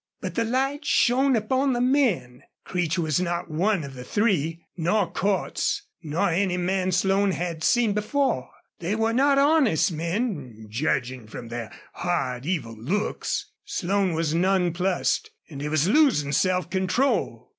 But the light shone upon the men. Creech was not one of the three, nor Cordts, nor any man Slone had seen before. They were not honest men, judging from their hard, evil looks. Slone was nonplussed and he was losing self control.